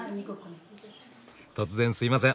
突然すいません。